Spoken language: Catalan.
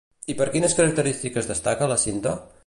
I per quines característiques destaca la cinta?